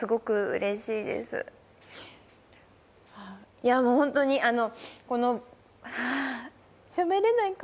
いやもうホントにあの